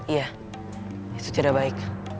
iya itu tidak baik